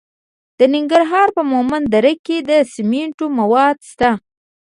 د ننګرهار په مومند دره کې د سمنټو مواد شته.